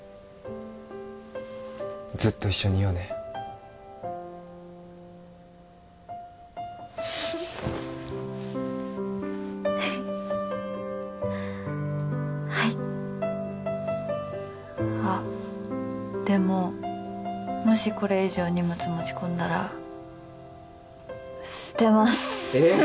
ずっと一緒にいようねはいあっでももしこれ以上荷物持ち込んだら捨てますえ